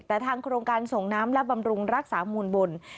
แต่ทางโครงการส่งน้ำและบำรุงรักษามูลบน